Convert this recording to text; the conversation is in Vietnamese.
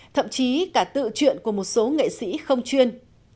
thậm chí cả tự chuyện của một số nghệ sĩ không chuyên